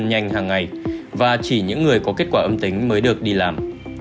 nhanh hàng ngày và chỉ những người có kết quả âm tính mới được đi làm